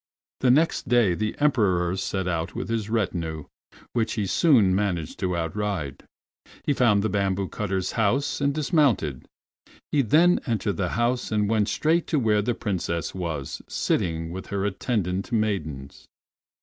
The next day the Emperor set out with his retinue, which he soon managed to outride. He found the bamboo cutter's house and dismounted. He then entered the house and went straight to where the Princess was sitting with her attendant maidens.